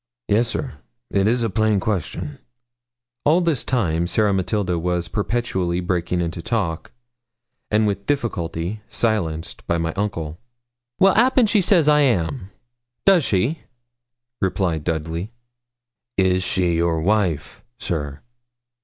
'Yes, sir; it is a plain question.' All this time Sarah Matilda was perpetually breaking into talk, and with difficulty silenced by my uncle. 'Well, 'appen she says I am does she?' replied Dudley. 'Is she your wife, sir?'